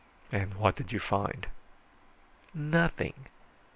"And what did you find?" "Nothing.